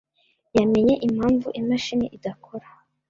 yamenye impamvu imashini idakora.